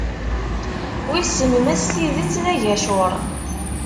Wissen ma s tidet d agacur.